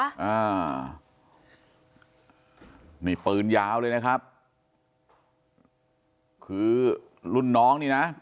อ่านี่ปืนยาวเลยนะครับคือรุ่นน้องนี่นะ